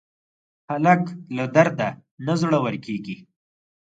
هلک له درده نه زړور کېږي.